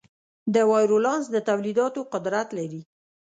د وایرولانس د تولیدولو قدرت لري.